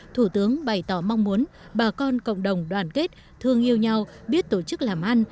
thủ tướng bày tỏ mong muốn bà con cộng đồng đoàn kết thương yêu nhau biết tổ chức làm ăn